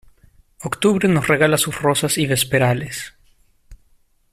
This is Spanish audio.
Octubre nos regala sus rosas y vesperales.